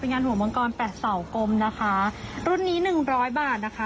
งานหัวมังกรแปดเสากลมนะคะรุ่นนี้หนึ่งร้อยบาทนะคะ